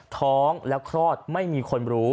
ท้องแล้วคลอดไม่มีคนรู้